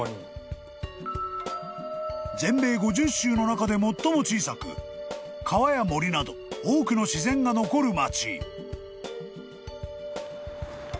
［全米５０州の中で最も小さく川や森など多くの自然が残る町］